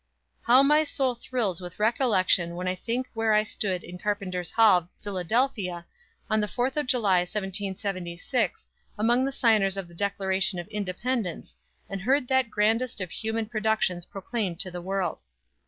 "_ How my soul thrills with recollection when I think where I stood in Carpenters Hall, Philadelphia, on the 4th of July, 1776, among the signers of the Declaration of Independence, and heard that grandest of human productions proclaimed to the world.